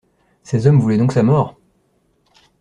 Ces hommes voulaient donc sa mort!